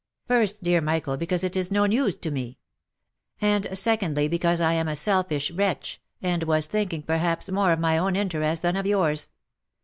u First, dear Michael, because it is no news to me. And secondly, because I am a selfish wretch, and was thinking, perhaps, more of my own interest than of yours.